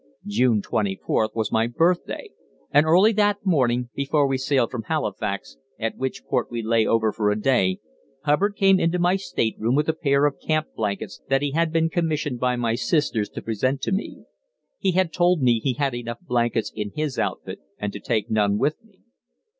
June 24th was my birthday, and early that morning, before we sailed from Halifax, at which port we lay over for a day, Hubbard came into my stateroom with a pair of camp blankets that he had been commissioned by my sisters to present to me. He had told me he had enough blankets in his outfit and to take none with me.